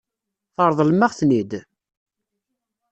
Tṛeḍlem-aɣ-ten-id?